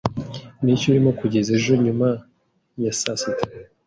Niki urimo kugeza ejo nyuma ya saa sita?